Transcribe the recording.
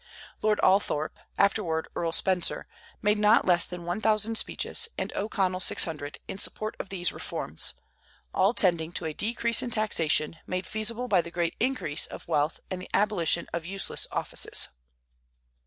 Lord Althorp, afterward Earl Spencer, made not less than one thousand speeches, and O'Connell six hundred, in support of these reforms, all tending to a decrease in taxation, made feasible by the great increase of wealth and the abolition of useless offices.